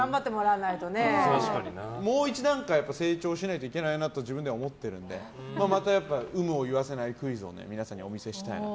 もう一段階、成長しないといけないなと自分では思ってるのでまた有無を言わせないクイズを皆さんにお見せしたいなと。